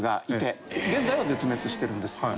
現在は絶滅してるんですけども。